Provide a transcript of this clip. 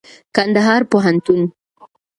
کنــدهـــار پوهنـتــون